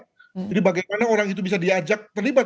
jadi bagaimana orang itu bisa diajak terlibat